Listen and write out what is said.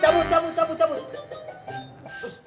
cabut cabut cabut cabut